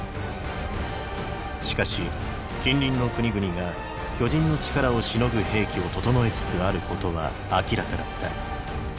しかし近隣の国々が巨人の力をしのぐ兵器を整えつつあることは明らかだった。